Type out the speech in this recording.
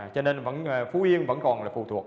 cho nên vẫn phú yên vẫn còn là phụ thuộc